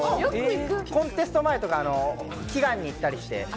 コンテスト前とか祈願に行ったりして。